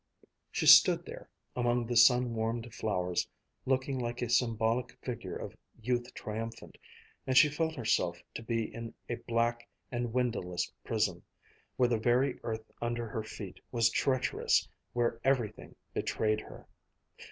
She stood there, among the sun warmed flowers, looking like a symbolic figure of youth triumphant ... and she felt herself to be in a black and windowless prison, where the very earth under her feet was treacherous, where everything betrayed her.